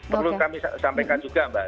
perlu kami sampaikan juga mbak